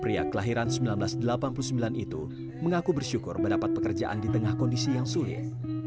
pria kelahiran seribu sembilan ratus delapan puluh sembilan itu mengaku bersyukur mendapat pekerjaan di tengah kondisi yang sulit